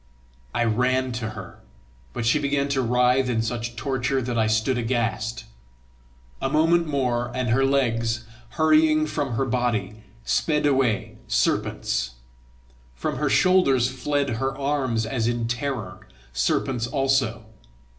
I ran to her. But she began to writhe in such torture that I stood aghast. A moment more and her legs, hurrying from her body, sped away serpents. From her shoulders fled her arms as in terror, serpents also.